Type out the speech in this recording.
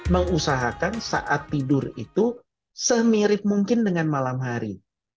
mengusahakan saat tidur itu semirip mungkin dengan malam hari